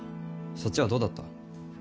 そっちはどうだった？